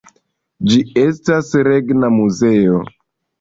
Ĝi estas regna muzeo.